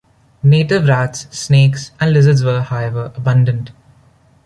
Native 'rats', snakes and lizards were, however, abundant.